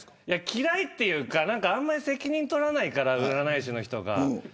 嫌いというか、あんまり責任取らないから占い師の人が。